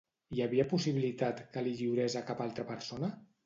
Hi havia possibilitat que li lliurés a cap altra persona?